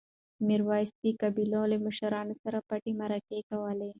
میرویس د قبایلو له مشرانو سره پټې مرکې کولې.